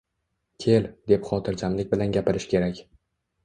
"Kel..." deb xotirjamlik bilan gapirish kerak